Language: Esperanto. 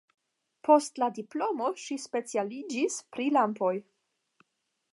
Post la diplomo ŝi specialiĝis pri lampoj.